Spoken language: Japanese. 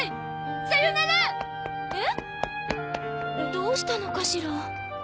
どうしたのかしら？